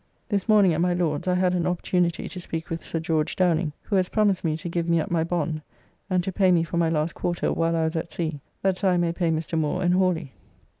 This morning at my Lord's I had an opportunity to speak with Sir George Downing, who has promised me to give me up my bond, and to pay me for my last quarter while I was at sea, that so I may pay Mr. Moore and Hawly.